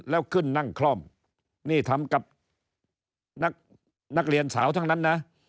แล้วขึ้นนั่งคล่อมนี่ทำกับนักเรียนสาวทั้งนั้นนะ